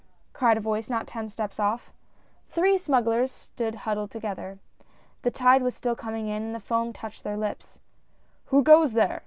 " cried a voice not ten steps off. The three smugglers stood huddled together. The tide was still coming in, and the foam touched their lips. " Who goes there